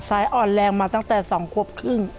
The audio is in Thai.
สายอ่อนแรงมาตั้งแต่๒กว่าครึ่ง